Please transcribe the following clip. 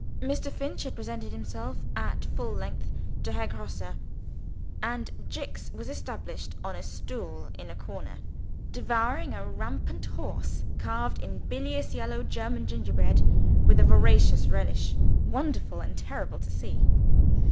Mr. Finch had presented himself (at full length) to Herr Grosse. And Jicks was established on a stool in a corner: devouring a rampant horse, carved in bilious yellow German gingerbread, with a voracious relish wonderful and terrible to see.